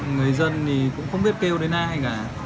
người dân thì cũng không biết kêu đến ai cả